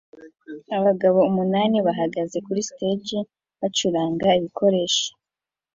Abagabo umunani bahagaze kuri stage bacuranga ibikoresho